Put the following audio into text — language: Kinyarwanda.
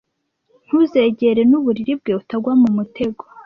ntuzegere n’uburiri bwe! Utagwa mumutego